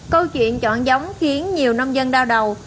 câu chuyện chọn giống khiến nhiều nông dân đau đầu